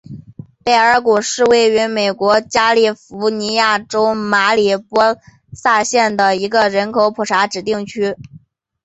贝尔谷是位于美国加利福尼亚州马里波萨县的一个人口普查指定地区。